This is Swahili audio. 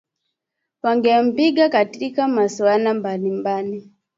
wangempinga katika masuala mbalimbali